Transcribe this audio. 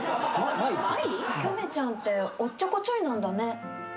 おきょめちゃんっておっちょこちょいなんだね。